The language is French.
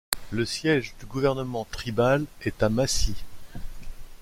Le siège du gouvernement tribale est à Macy.